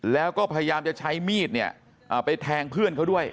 แล้วก็พยายามจะใช้มีดเนี่ยไปแทงเพื่อนเขาด้วย